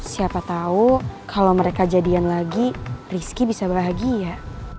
siapa tau kalo mereka jadian lagi rizky bisa bahagia